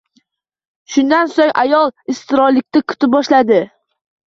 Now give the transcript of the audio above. Shundan so`ng ayol intizorlikda kuta boshladi